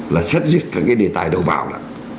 là xét duyên các cái đề tài đầu tiên